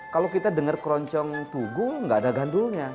kalau kita denger keroncong tugung gak ada gandulnya